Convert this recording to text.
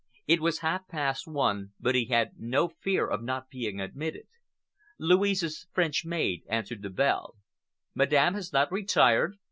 It was half past one, but he had no fear of not being admitted. Louise's French maid answered the bell. "Madame has not retired?"